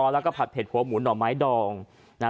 แล้วก็ผัดเผ็ดหัวหมูหน่อไม้ดอง